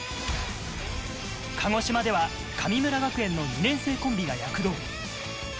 鹿児島では神村学園の２年生コンビが躍動。